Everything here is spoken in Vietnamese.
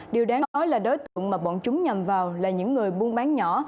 điều đáng nói là đối tượng mà bọn chúng nhằm vào là những người buôn bán nhỏ